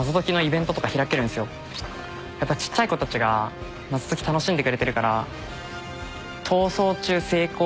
ちっちゃい子たちが謎解き楽しんでくれてるから。